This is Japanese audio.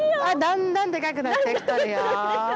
だんだんでかくなってきとるよ。